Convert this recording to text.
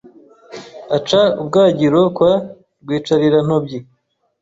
Aca ubwagiro kwa Rwicarirantobyi